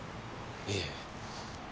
いいえ。